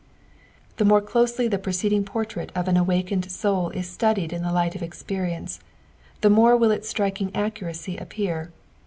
The more cloaely the preceding portrait of an awakened soul is qtudied in the light of experience, the more will its striking accuracy appear.